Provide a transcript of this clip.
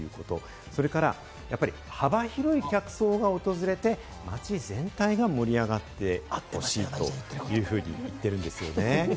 それから幅広い客層が訪れて、街全体が盛り上がってほしいというふうに言ってるんですよね。